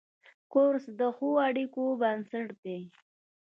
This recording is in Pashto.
کورس د ښو اړیکو بنسټ دی.